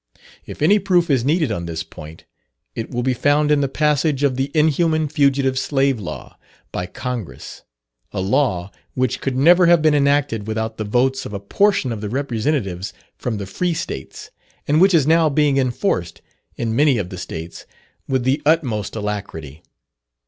If any proof is needed on this point, it will be found in the passage of the inhuman Fugitive Slave Law, by Congress; a law which could never have been enacted without the votes of a portion of the representatives from the free States, and which is now being enforced, in many of the States, with the utmost alacrity.